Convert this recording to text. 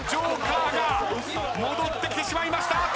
ＪＯＫＥＲが戻ってきてしまいました。